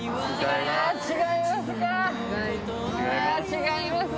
あ「違います」！